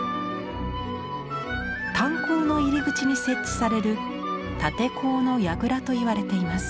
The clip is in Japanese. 炭鉱の入り口に設置される立て坑のやぐらといわれています。